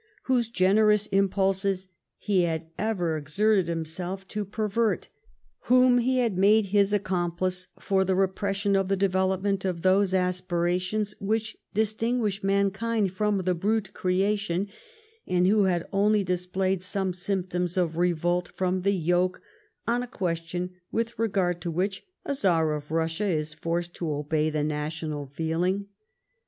hose generous impulses he had ever exerted himself to pervert ; whom he had made his accomplice for the repres sion of the development of those aspirations which dis tinguish mankind from the brute creation, and who had only displayed some symptoms of revolt from the yoke on a question with I'egard to w hich a Czar of Russia is forced to obey the national feeling.